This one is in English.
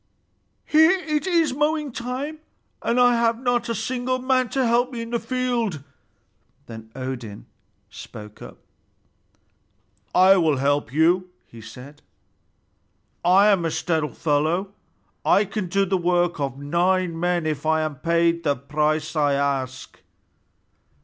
"Here it is mowing time, and I have not a single man to help me in the field!" Then Odin spoke up. "I will help you," he said. "I am a stout fellow, and I can do the work of nine men if I am paid the price I ask."